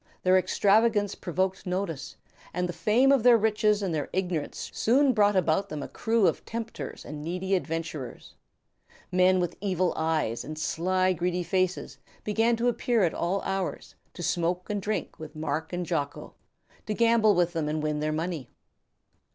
Their extravagance provoked notice, and the fame of their riches and their ignorance soon brought about them a crew of tempters and needy adventurers. Men with evil eyes and sly greedy faces began to appear at all hours, to smoke and drink with Marc and Jocko, to gamble with them and win their money.